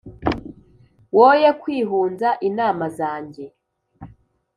woye kwihunza inama zanjye